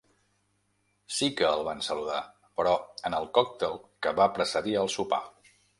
Sí que el van saludar, però, en el còctel que va precedir el sopar.